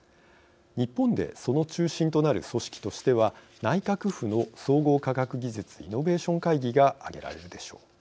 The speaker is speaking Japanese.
日本でその中心となる組織としては内閣府の総合科学技術・イノベーション会議が挙げられるでしょう。